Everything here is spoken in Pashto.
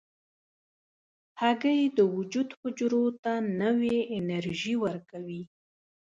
هګۍ د وجود حجرو ته نوې انرژي ورکوي.